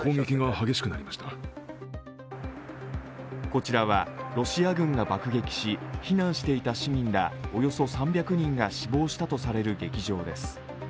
こちらはロシア軍が爆撃し、避難していた市民らおよそ３００人が死亡したとされる劇場です。